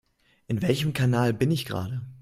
In welchem Kanal bin ich gerade?